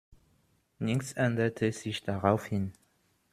Nichts änderte sich daraufhin.